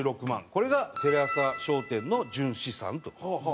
これがテレ朝商店の純資産という事ですね。